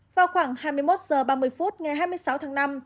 vào khoảng hai mươi một h ba mươi phút ngày hai mươi sáu tháng năm